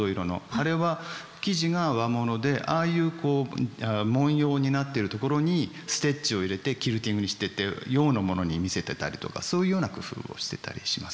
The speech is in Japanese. あれは生地が和物でああいう文様になってるところにステッチを入れてキルティングにしてって洋のものに見せてたりとかそういうような工夫をしてたりします。